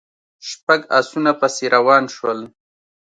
شپږ آسونه پسې روان شول.